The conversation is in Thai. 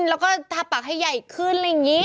แล้วก็ทาปากให้ใหญ่ขึ้นอะไรอย่างนี้